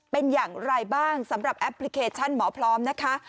เป็นอย่างไรบ้างสำหรับแอปพลิเคชันหมอพร้อมนะคะ